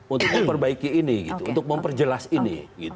untuk memperbaiki ini untuk memperjelas ini